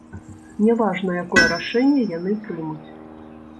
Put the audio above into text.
Не важна, якое рашэнне яны прымуць.